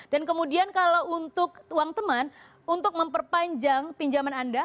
dan kemudian kalau untuk uang teman untuk memperpanjang pinjaman anda